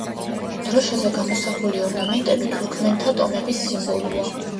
დროშაზე გამოსახული ორნამენტები თურქმენთა ტომების სიმბოლოა.